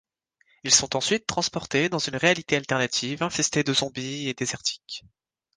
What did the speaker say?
Ils sont ensuite transportés dans une réalité alternative infestée de zombies et désertique.